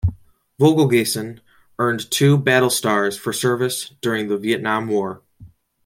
"Vogelgesang" earned two battle stars for service during the Vietnam War.